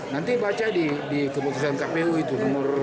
nanti baca di keputusan kpu itu nomor